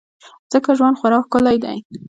ځکه ژوند خورا ښکلی دی.